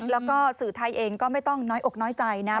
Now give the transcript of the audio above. แล้วก็สื่อไทยเองก็ไม่ต้องน้อยอกน้อยใจนะ